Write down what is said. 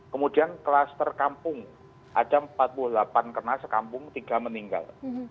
kemudian kluster kampung ada empat puluh delapan kena sekampung tiga meninggal